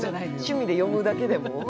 趣味で詠むだけでも。